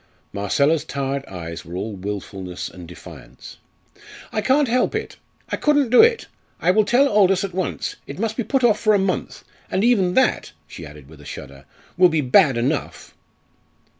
Marcella's tired eyes were all wilfulness and defiance. "I can't help it. I couldn't do it. I will tell Aldous at once. It must be put off for a month. And even that," she added with a shudder, "will be bad enough."